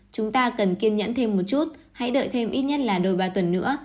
chúng ta cần kiên nhẫn thêm một chút hãy đợi thêm ít nhất là đôi ba tuần nữa